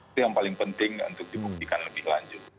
itu yang paling penting untuk dibuktikan lebih lanjut